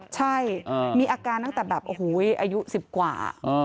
ใช่มีอาการตั้งแต่แบบโอ้โหอายุ๑๐กว่า